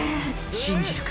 信じるか？